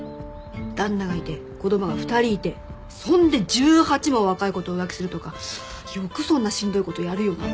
旦那がいて子供が２人いてそんで１８も若い子と浮気するとかよくそんなしんどい事やるよなって。